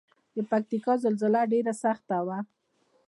د پکتیکا زلزله ډیره سخته وه